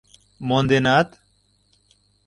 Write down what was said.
— Монденат?